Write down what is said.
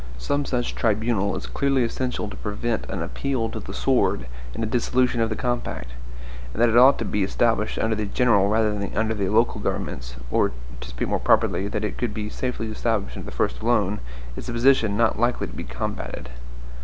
Some such tribunal is clearly essential to prevent an appeal to the sword and a dissolution of the compact; and that it ought to be established under the general rather than under the local governments, or, to speak more properly, that it could be safely established under the first alone, is a position not likely to be combated.